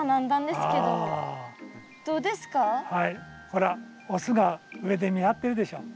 ほらオスが上で見張ってるでしょ。